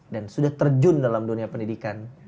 dan sudah terjun dalam dunia pendidikan